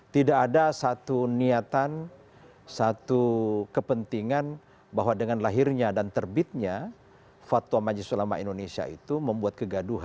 tidak ada satu niatan satu kepentingan bahwa dengan lahirnya dan terbitnya fatwa majelis ulama indonesia itu membuat kegaduhan